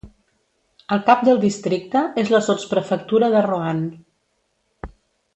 El cap del districte és la sotsprefectura de Roanne.